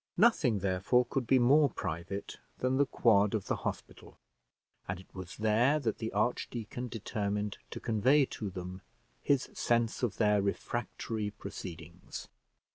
Nothing, therefore, could be more private than the quad of the hospital; and it was there that the archdeacon determined to convey to them his sense of their refractory proceedings.